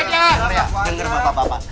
dengar ya denger bapak bapak